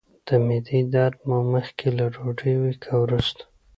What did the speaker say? د معدې درد مو مخکې له ډوډۍ وي که وروسته؟